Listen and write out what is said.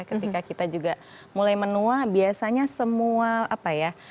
ketika kita juga mulai menua biasanya semua apa ya